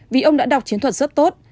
vì ông đã đọc chiến thuật rất tốt